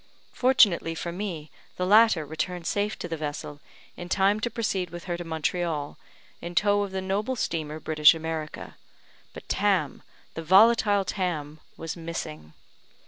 Fortunately for me, the latter returned safe to the vessel, in time to proceed with her to Montreal, in tow of the noble steamer, British America; but Tam, the volatile Tam was missing.